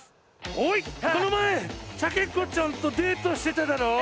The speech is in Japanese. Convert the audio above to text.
おいこの前サケコちゃんとデートしてただろう！